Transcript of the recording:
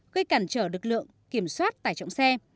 gây cản trở lực lượng kiểm soát tải trọng xe